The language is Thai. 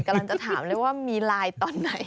กำลังจะถามเลยว่ามีไลน์ตอนไหน